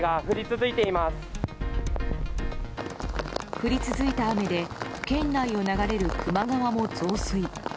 降り続いた雨で県内を流れる球磨川も増水。